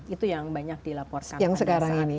itu yang banyak dilaporkan